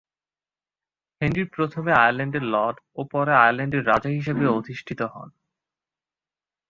Henry প্রথমে আয়ারল্যান্ডের lord ও পরে আয়ারল্যান্ডের রাজা হিসেবে অধিষ্ঠিত হন।